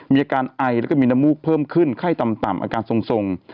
มีอาการไอแล้วก็มีน้ำมูกเพิ่มขึ้นไข้ต่ำอาการทรง